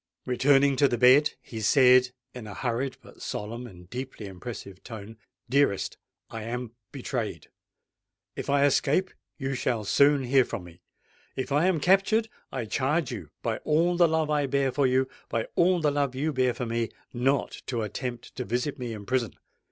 Returning to the bed, he said in a hurried but solemn and deeply impressive tone, "Dearest, I am betrayed. If I escape, you shall soon hear from me: if I am captured, I charge you—by all the love I bear for you—by all the love you bear for me—not to attempt to visit me in prison!